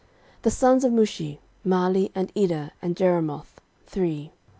13:023:023 The sons of Mushi; Mahli, and Eder, and Jeremoth, three.